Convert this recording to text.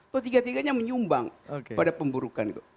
atau tiga tiganya menyumbang pada pemburukan itu